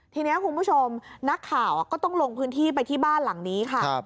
ทีนี้คุณผู้ชมนักข่าวก็ต้องลงพื้นที่ไปที่บ้านหลังนี้ค่ะ